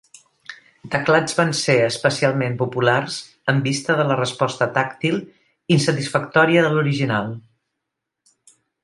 Teclats van ser especialment populars en vista de la resposta tàctil insatisfactòria de l'original.